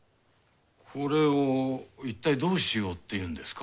これをいったいどうしようっていうんですか？